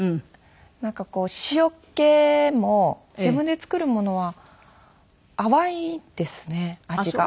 なんかこう塩っけも自分で作るものは淡いですね味が。